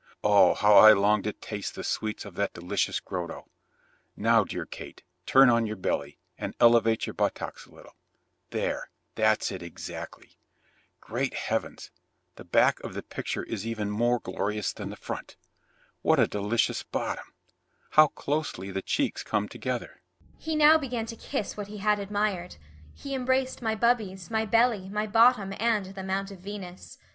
Oh, how I long to taste the sweets of that delicious grotto. Now, dear Kate, turn on your belly, and elevate your buttocks a little there, that's it exactly. Great heavens, the back of the picture is even more glorious than the front! What a delicious bottom! How closely the cheeks come together." He now began to kiss what he had admired. He embraced my bubbies, my belly, my bottom and the mount of Venus.